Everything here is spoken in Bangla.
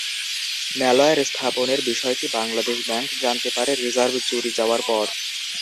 ম্যালওয়্যার স্থাপনের বিষয়টি বাংলাদেশ ব্যাংক জানতে পারে রিজার্ভ চুরি যাওয়ার পর।